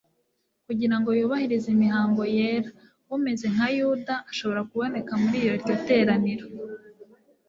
kugira ngo zubahirize imihango yera. Umeze nka Yuda ashobora kuboneka muri iryo teraniro;